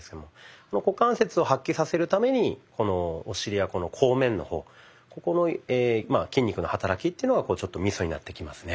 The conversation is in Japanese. この股関節を発揮させるためにこのお尻や後面の方ここの筋肉の働きっていうのがちょっとミソになってきますね。